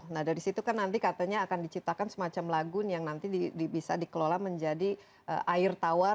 nah dari situ kan nanti katanya akan diciptakan semacam lagun yang nanti bisa dikelola menjadi air tawar